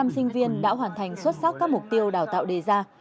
năm trăm linh năm sinh viên đã hoàn thành xuất sắc các mục tiêu đào tạo đề ra